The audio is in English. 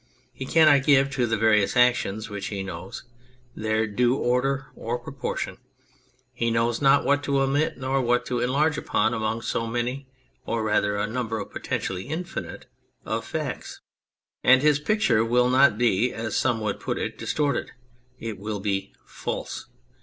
He cannot give to the various actions which he knows their due order and proportion ; he knows not what to omit, nor what to enlarge upon among so many, or rather a number potentially infinite of, facts ; and his picture will not be (as some would put it) distorted : it will be false.